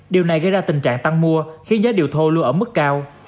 điều này gây ra tình trạng tăng mua khiến giá điều thô luôn ở mức cao